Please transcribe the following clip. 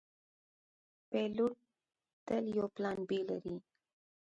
پیلوټ تل یو پلان “B” لري.